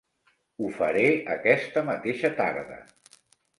Ho faré aquesta mateixa tarda.